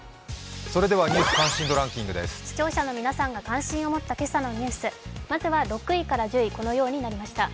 視聴者の皆さんが関心を持った今朝のニュースまずは６位から１０位、このようになりました。